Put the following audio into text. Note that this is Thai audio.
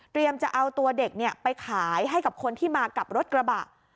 จะเอาตัวเด็กไปขายให้กับคนที่มากับรถกระบะ